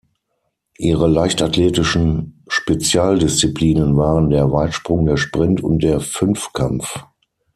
Ihre leichtathletischen Spezialdisziplinen waren der Weitsprung, der Sprint und der Fünfkampf.